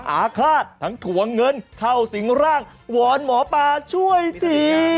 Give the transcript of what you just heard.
อาฆาตทั้งถวงเงินเข้าสิงร่างวอนหมอปลาช่วยที